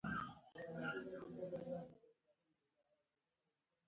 بدن تود دی.